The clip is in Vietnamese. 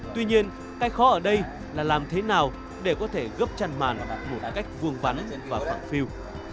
tuy nhiên cái khó ở đây là làm thế nào để có thể gấp chân màn một cách vuông vắn và phẳng phiêu